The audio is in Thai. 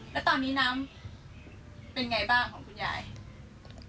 แล้วตอนนี้น้ำเป็นไงบ้างของคุณยาย